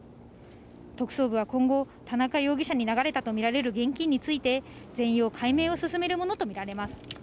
特捜部は今後、田中容疑者に流れたと見られる現金について、全容解明を進めるものと見られます。